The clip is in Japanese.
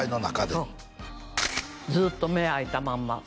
そう「ずっと目開いたまんま」